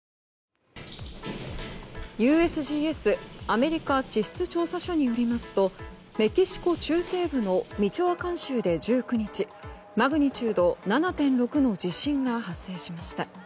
ＵＳＧＳ・アメリカ地質調査所によりますとメキシコ中西部のミチョアカン州で１９日マグニチュード７．６の地震が発生しました。